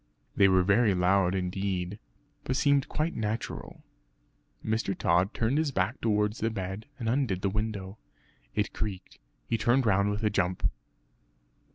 They were very loud indeed, but seemed quite natural. Mr. Tod turned his back towards the bed, and undid the window. It creaked; he turned round with a jump.